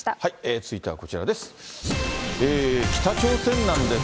続いてはこちらです。